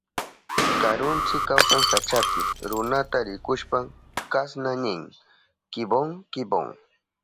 Karuntsi kawsan sachapi. Runata rikushpanka kasna nin: kibon kibon.